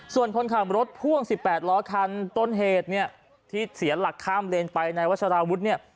ส่วนคนขับรถพ่วง๑๘ล้อคันต้นเหตุเนี่ยที่เสียหลักข้ามเลนไปในวัชราวุฒิเนี่ย